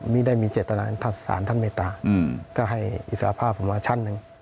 ไม่ได้มีเจตนาถ้าสารท่านเมตตาก็ให้อิสระภาพผมมาชั้นหนึ่ง